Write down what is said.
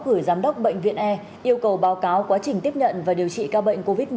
gửi giám đốc bệnh viện e yêu cầu báo cáo quá trình tiếp nhận và điều trị ca bệnh covid một mươi chín